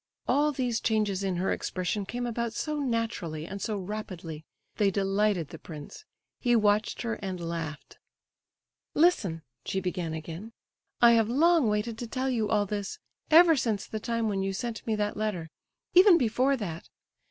All these changes in her expression came about so naturally and so rapidly—they delighted the prince; he watched her, and laughed. "Listen," she began again; "I have long waited to tell you all this, ever since the time when you sent me that letter—even before that.